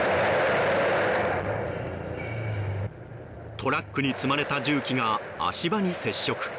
トラックに積まれた重機が足場に接触。